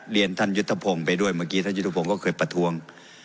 เรียนท่านยุทธพงศ์ไปด้วยเมื่อกี้ท่านยุทธพงศ์ก็เคยประท้วง